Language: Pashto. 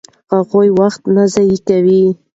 هغوی وخت نه ضایع کوي.